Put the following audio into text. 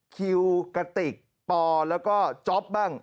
คิวกะติกปอแล้วก็จ๊อปบ้าง